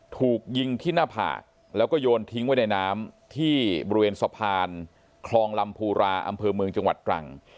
ถูกยิงที่หน้าผากแล้วก็โยนทิ้งไว้ในน้ำที่บริเวณสะพานคลองลำภูราอำเภอเมืองจังหวัดตรัง